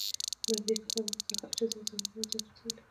نږدې کسان مو تر هر چا زیات ځورولای او زیان رسولای شي.